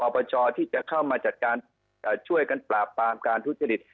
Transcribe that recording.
ปปชที่จะเข้ามาจัดการช่วยกันปราบปรามการทุจริต